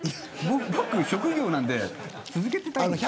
僕の職業なんで続けてたいんですけど。